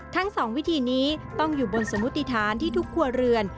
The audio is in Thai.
ทั้ง๒วิธีนี้ต้องอยู่บนสมุติฐานที่ทุกครัวเรือน